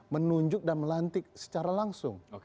menunjuk dan melantik secara langsung